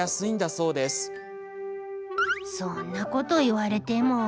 そんなこと言われても。